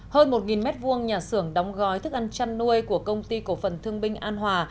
hơn một m hai nhà xưởng đóng gói thức ăn chăn nuôi của công ty cổ phần thương binh an hòa